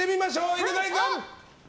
犬飼君！